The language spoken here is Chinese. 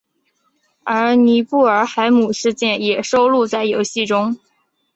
而尼布尔海姆事件也收录在游戏中。